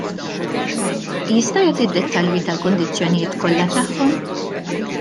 Jista' jagħti d-dettalji tal-kundizzjonijiet kollha tagħhom?